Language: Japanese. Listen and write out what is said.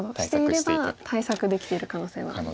していれば対策できている可能性は。